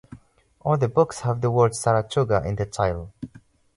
All the books have the word "Saratoga" in the title.